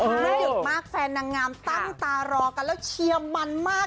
ไม่ดึกมากแฟนนางงามตั้งตารอกันแล้วเชียร์มันมาก